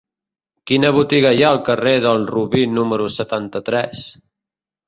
Quina botiga hi ha al carrer del Robí número setanta-tres?